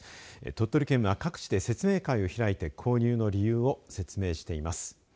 鳥取県は各地で説明会を開いて購入の理由を説明しています。